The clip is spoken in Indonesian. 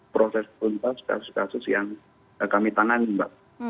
proses pun kasus kasus yang kami tanan mbak